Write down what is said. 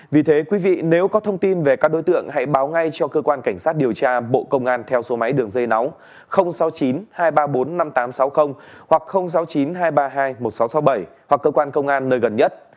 vì thế quý vị nếu có thông tin về các đối tượng hãy báo ngay cho cơ quan cảnh sát điều tra bộ công an theo số máy đường dây nóng sáu mươi chín hai trăm ba mươi bốn năm nghìn tám trăm sáu mươi hoặc sáu mươi chín hai trăm ba mươi hai một nghìn sáu trăm sáu mươi bảy hoặc cơ quan công an nơi gần nhất